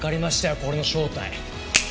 これの正体。